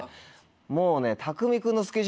もうね。